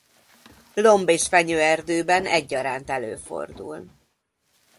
Lomb- és fenyőerdőben egyaránt előfordul.